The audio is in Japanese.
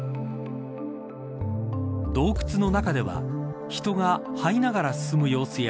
洞窟の中では人が這いながら進む様子や